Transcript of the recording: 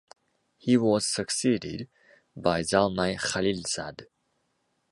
He was succeeded by Zalmay Khalilzad.